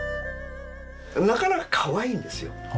なかなかかわいいんですよ。